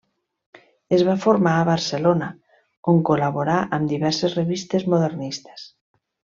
Es va formar a Barcelona, on col·laborà amb diverses revistes modernistes.